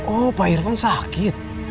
oh pak irvan sakit